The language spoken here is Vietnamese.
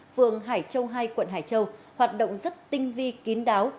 phường hải châu hai quận hải châu hoạt động rất tinh vi kín đáo